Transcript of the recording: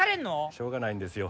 しょうがないんですよ